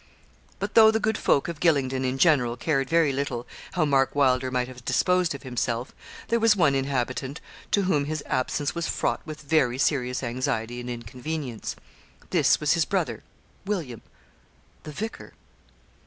But though the good folk of Gylingden, in general, cared very little how Mark Wylder might have disposed of himself, there was one inhabitant to whom his absence was fraught with very serious anxiety and inconvenience. This was his brother, William, the vicar.